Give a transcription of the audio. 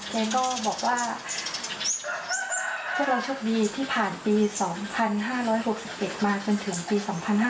เนโน่บอกว่าพวกเราโชคดีที่ผ่านปี๒๕๖๑มาจนถึงปี๒๕๕๙